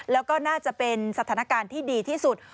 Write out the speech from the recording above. แล้วก็น่าจะเป็นสถานการณ์ที่ดีที่สุด